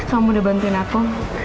kamu udah bantuin aku